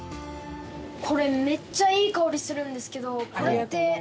これめっちゃいい香りするんですけど。